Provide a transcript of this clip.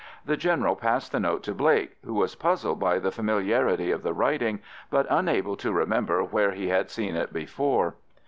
The General passed the note to Blake, who was puzzled by the familiarity of the writing, but unable to remember where he had seen it before.